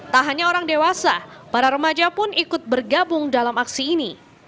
tak hanya orang dewasa para remaja pun ikut bergabung dalam aksi ini